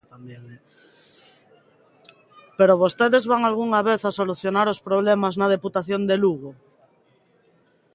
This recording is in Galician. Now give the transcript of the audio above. ¿Pero vostedes van algunha vez a solucionar os problemas na Deputación de Lugo?